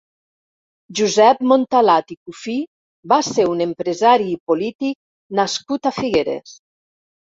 Josep Montalat i Cufí va ser un empresari i polític nascut a Figueres.